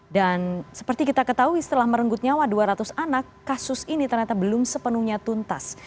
dan seperti kita ketahui setelah merenggut nyawa dua ratus anak kasus ini ternyata belum sepenuhnya tuntas